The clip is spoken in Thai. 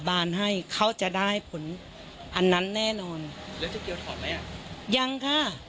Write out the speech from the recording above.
ยังไม่ได้ถอนใช่ไหม